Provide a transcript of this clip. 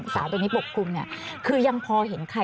สามารถรู้ได้เลยเหรอคะ